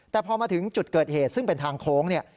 แต่พอมาถึงจุดเกิดเหตุซึ่งเป็นทางโค้งเนี่ย